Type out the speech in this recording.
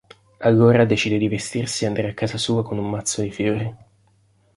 Allora decide di vestirsi e andare a casa sua con un mazzo di fiori.